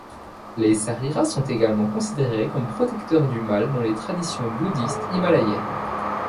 Les sarira sont également considérés comme protecteurs du mal dans les traditions bouddhistes himalayennes.